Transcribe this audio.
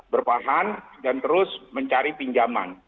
bertahan dan terus mencari pinjaman